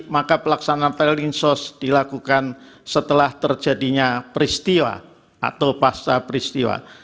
maka pelaksanaan pelling sos dilakukan setelah terjadinya peristiwa atau pasca peristiwa